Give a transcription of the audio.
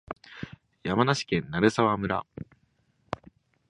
山梨県鳴沢村